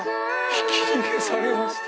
「ひき逃げされました」